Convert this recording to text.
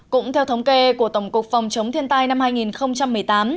cũng theo thống kê của tổng cục phòng chống thiên tai năm hai nghìn một mươi tám